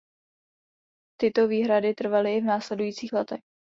Tyto výhrady trvaly i v následujících letech.